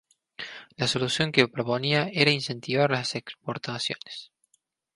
La solución que proponía era incentivar las exportaciones.